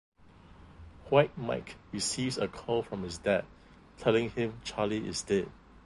White Mike receives a call from his dad telling him Charlie is dead.